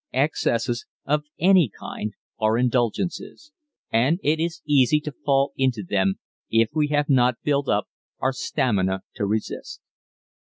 Excesses of any kind are indulgences, and it is easy to fall into them if we have not built up our stamina to resist.